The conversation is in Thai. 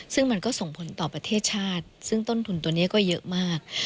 ซึ่งมันก็ส่งผลต่อประเทศชาติซึ่งต้นทุนตัวนี้ก็เยอะมาก